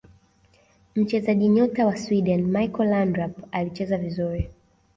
mchezaji nyota wa sweden michael laundrap alicheza vizuri